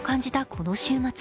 この週末。